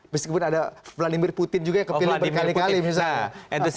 meskipun ada vladimir putin juga yang kepilih ketiga kalinya misalnya ya kan